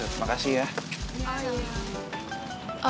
terus makasih ya